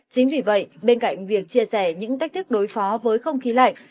chính vì vậy bên cạnh việc chia sẻ những cách thức đối phó với không khí lạnh